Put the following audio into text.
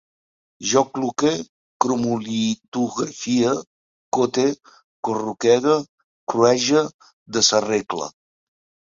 Jo cluque, cromolitografie, cote, corruquege, cruege, desarregle